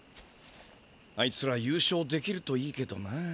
あいつらゆうしょうできるといいけどな。